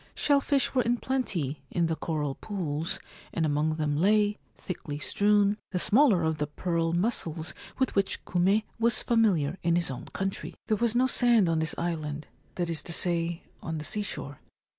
Shell fish were in plenty in the coral pools, and among them lay, thickly strewn, the smaller of the pearl mussels with which Kume was familiar in his own country. There was no sand on this island — that is to say, on the seashore.